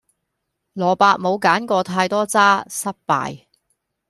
蘿蔔冇揀過太多渣，失敗